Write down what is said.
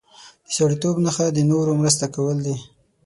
د سړیتوب نښه د نورو مرسته کول دي.